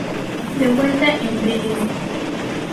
De vuelta en Bs.